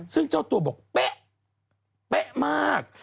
ซึ่งเจ้าตัวบอกเป๊ะเป๊ะมาก